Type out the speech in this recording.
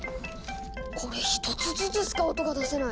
これ１つずつしか音が出せない。